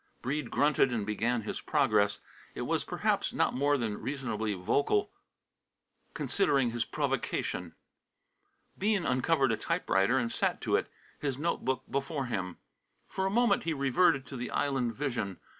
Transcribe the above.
Breede grunted and began his progress. It was, perhaps, not more than reasonably vocal considering his provocation. Bean uncovered a typewriter and sat to it, his note book before him. For a moment he reverted to the island vision.